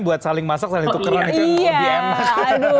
buat saling masak saling tukeran itu yang lebih enak